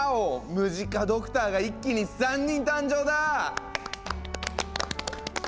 ムジカドクターが一気に３人誕生だ！